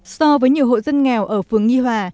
so với nhiều hội dân nghèo ở phương nghĩ hòa